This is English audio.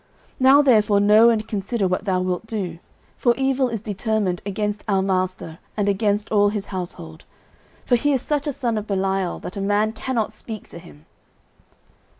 09:025:017 Now therefore know and consider what thou wilt do; for evil is determined against our master, and against all his household: for he is such a son of Belial, that a man cannot speak to him.